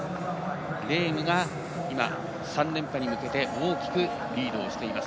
レームが３連覇に向けて大きくリードしています。